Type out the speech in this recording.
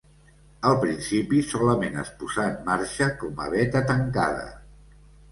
Al principi solament es posà en marxa com a beta tancada.